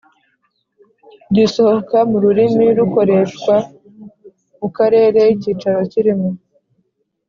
gisohoka mu rurimi rukoreshwa mu karere icyicaro kirimo